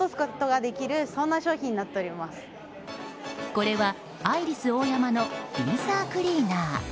これはアイリスオーヤマのリンサークリーナー。